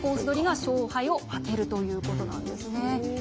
どりが勝敗を分けるということなんです。